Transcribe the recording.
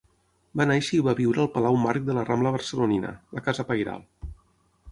Va néixer i va viure al Palau Marc de la rambla barcelonina, la casa pairal.